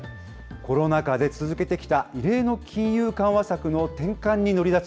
コロナ禍で続けてきた異例の金融緩和策の転換に乗り出す